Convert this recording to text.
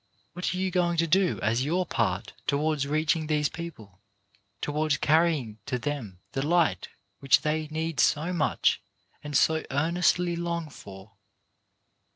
What are you going to do as your part towards reaching these people, towards carrying to them the light which they need so much and so earn estly long for?